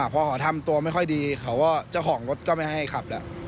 พอเขาทำตัวไม่ค่อยดีเขาก็เจ้าของรถก็ไม่ให้ขับแล้ว